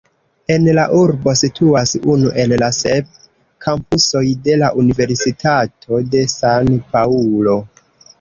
En la urbo situas unu el la sep kampusoj de la Universitato de San-Paŭlo.